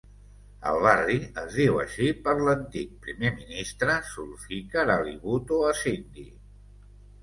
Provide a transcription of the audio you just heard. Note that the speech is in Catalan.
El barri es diu així per l'antic primer ministre Zulfikar Ali Bhutto, a Sindhi.